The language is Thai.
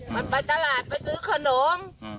มันไปตลาดไปซื้อขนม